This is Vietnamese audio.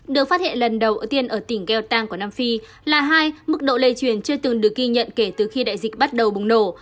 được phát hiện lần đầu tiên ở tỉnh geltang của nam phi là hai mức độ lây truyền chưa từng được ghi nhận kể từ khi đại dịch bắt đầu bùng nổ